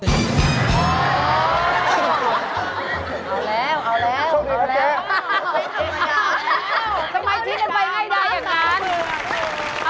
ทำไมที่จะไปง่ายได้อย่างนั้น